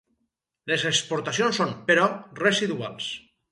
Les exportacions són, però, residuals.